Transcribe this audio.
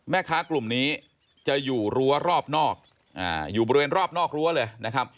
แม่ค้ากลุ่มนี้จะอยู่รั้วรอบนอกอยู่บริเวณรอบนอกรั้วเลยนะครับ